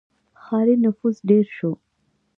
• ښاري نفوس ډېر شو.